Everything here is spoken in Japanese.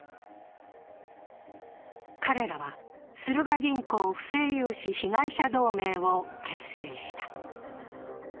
彼らはスルガ銀行不正融資被害者同盟を結成した。